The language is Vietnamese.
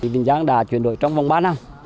vĩnh giang đã chuyển đổi trong vòng ba năm